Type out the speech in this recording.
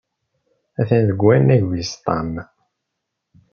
Atan deg wannag wis ṭam.